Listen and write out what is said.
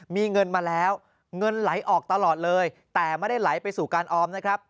มีเงินมาแล้วเงินไหลออกตลอดเลยแต่ไม่ได้ไหลไปสู่การออมนะครับ